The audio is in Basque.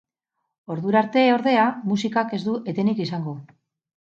Ordura arte, ordea, musikak ez du etenik izango.